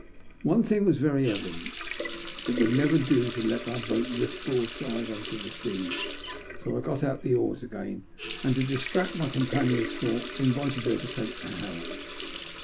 One thing was very evident : it would never do to let our boat drift broadside on to the seas, so I got out the oars again, and to distract my companion's thoughts, invited her to take the helm.